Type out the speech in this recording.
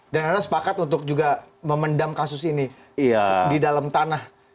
dan anda sepakat untuk juga memendam kasus ini di dalam tanah